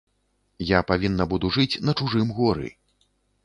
Я павінна буду жыць на чужым горы.